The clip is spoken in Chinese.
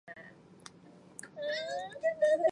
京房人。